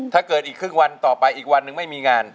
ถ้าเกิดอีกครึ่งวันต่อไปอีกวันหนึ่งไม่มีงาน